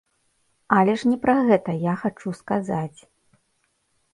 Але ж не пра гэта я хачу сказаць.